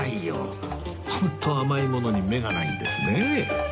本当甘いものに目がないんですね